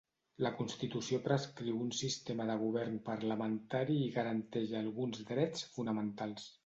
La constitució prescriu un sistema de govern parlamentari i garanteix alguns drets fonamentals.